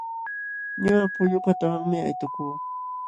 Ñuqa pullu kataawanmi aytukuu.